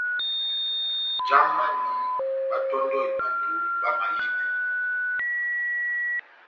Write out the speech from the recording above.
Jamani báhátɔ́ndɔhi bato bamahibɛ.